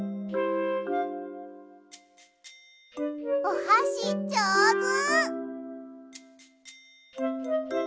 おはしじょうず！